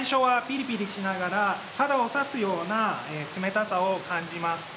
最初はビリビリとしながら肌を刺すような冷たさを感じます。